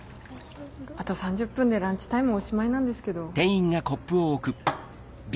あと３０分でランチタイムおしまいなんですけど。